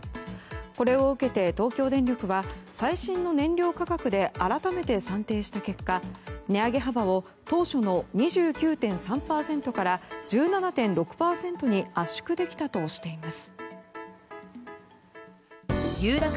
これを受けて、東京電力は最新の燃料価格で改めて算定した結果値上げ幅を当初の２９．３％から１７．６％に圧縮できたとしています。